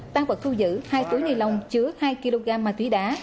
tăng vật thu giữ hai túi ni lông chứa hai kg ma túy đá